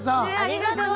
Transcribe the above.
ありがとう。